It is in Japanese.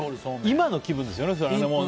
今の気分ですよね。